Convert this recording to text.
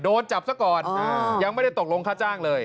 โดนจับซะก่อนยังไม่ได้ตกลงค่าจ้างเลย